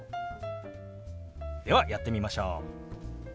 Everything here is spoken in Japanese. ではやってみましょう！